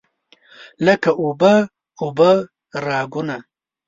لکه اوبه، اوبه راګونه